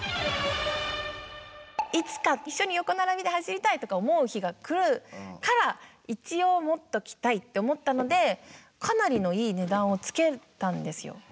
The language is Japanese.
いつか一緒に横並びで走りたいとか思う日が来るから一応持っときたいって思ったのでかなりのいい値段をつけたんですよ。